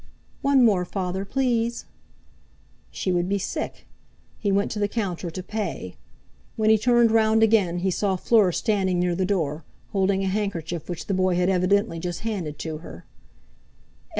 "One more, Father, please." She would be sick! He went to the counter to pay. When he turned round again he saw Fleur standing near the door, holding a handkerchief which the boy had evidently just handed to her.